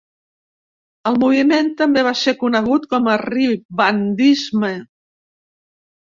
El moviment també va ser conegut com a "ribandisme".